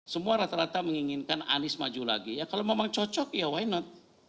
semua rata rata menginginkan anies maju lagi ya kalau memang cocok ya why not